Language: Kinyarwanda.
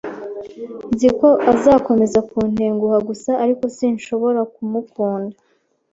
Nzi ko azakomeza kuntenguha gusa, ariko sinshobora kumukunda.